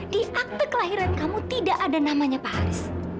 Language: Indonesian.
di akte kelahiran kamu tidak ada namanya pak haris